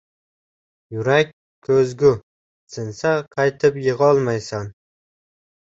• Yurak ― ko‘zgu. Sinsa qaytib yig‘olmaysan.